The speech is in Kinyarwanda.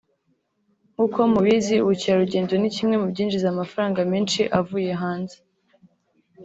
nkuko mubizi ubukerarugendo ni kimwe mu byinjiza amafaranga menshi avuye hanze